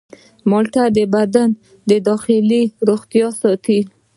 مالټه د بدن داخلي روغتیا ساتي.